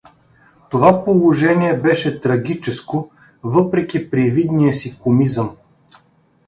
Това положение беше трагическо, въпреки привидния си комизъм.